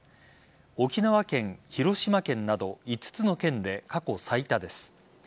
沖縄県、広島県など５つの県で過去最多です。